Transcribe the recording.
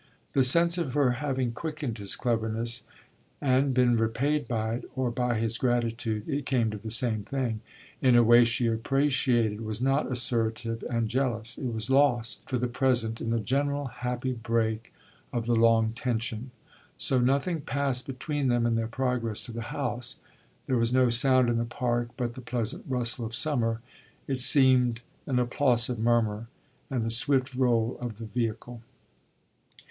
The sense of her having quickened his cleverness and been repaid by it or by his gratitude it came to the same thing in a way she appreciated was not assertive and jealous: it was lost for the present in the general happy break of the long tension. So nothing passed between them in their progress to the house; there was no sound in the park but the pleasant rustle of summer it seemed an applausive murmur and the swift roll of the vehicle.